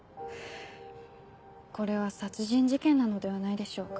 これは殺人事件なのではないでしょうか？